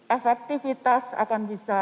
efektivitas akan bisa